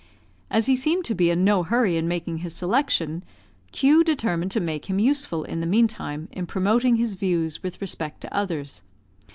As he seemed to be in no hurry in making his selection, Q determined to make him useful, in the meantime, in promoting his views with respect to others.